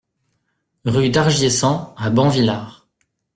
Rue d'Argiésans à Banvillars